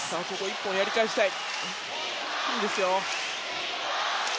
１本、やり返したい。